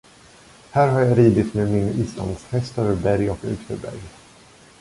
Här har jag ridit med min Islandshäst över berg och utför berg.